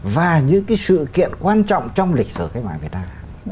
và những cái sự kiện quan trọng trong lịch sử cách mạng việt nam